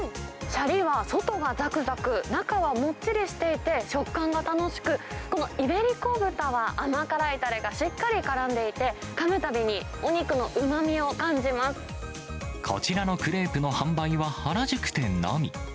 シャリは外がざくざく、中はもっちりしていて、食感が楽しく、このイベリコ豚は甘辛いたれがしっかりからんでいて、かむたびに、お肉のうまみを感じこちらのクレープの販売は原宿店のみ。